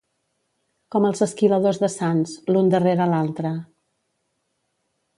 Com els esquiladors de Sants, l'un darrere l'altre.